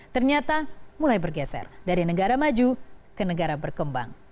ternyata mulai bergeser dari negara maju ke negara berkembang